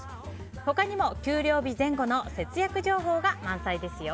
他にも、給料日前後の節約情報が満載ですよ。